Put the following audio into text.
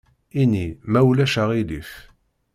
Ini: « ma ulac aɣilif ».